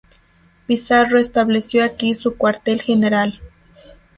Pizarro estableció aquí su Cuartel General.